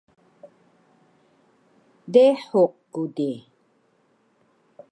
dehuk ku di